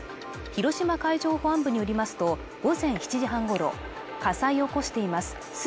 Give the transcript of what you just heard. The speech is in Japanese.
広島海上保安部によりますと午前７時半ごろ火災を起こしています